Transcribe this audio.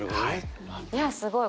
いやすごい。